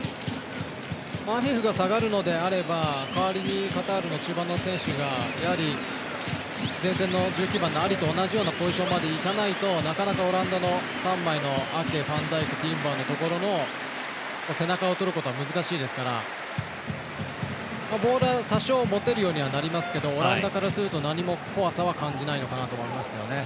アフィフが下がるのであれば代わりにカタールの中盤の選手がやはり、前線の１９番のアリと同じようなポジションまで行かないとなかなかオランダのアケとファンダイクティンバーのところの背中をとることは難しいですからボールは多少、持てるようにはなりますけどオランダからすると何も怖さは感じないのかなと思いますよね。